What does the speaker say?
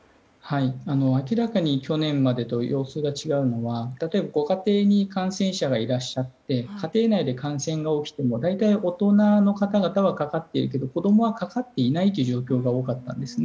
明らかに去年までと様子が違うのは例えばご家庭に感染者がいらっしゃって家庭内で感染が起きても大体、大人の方はかかっているけど子供はかかっていないという状況が多かったんですね。